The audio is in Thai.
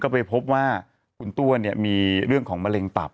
ไปพบว่าคุณตัวมีเรื่องของมะเร็งตับ